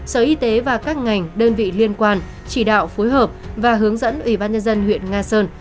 sở y tế và các ngành đơn vị liên quan chỉ đạo phối hợp và hướng dẫn ubnz huyện nga sơn